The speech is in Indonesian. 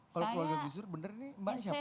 kalau keluarga gus dur bener ini mbak ini siapa